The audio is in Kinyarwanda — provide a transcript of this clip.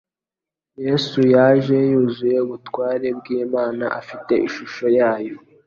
Yesu yaje yuzuye ubutware bw'Imana afite ishusho yayo,